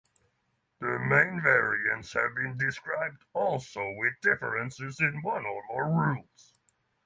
The main variants have been described also with differences in one or more rules.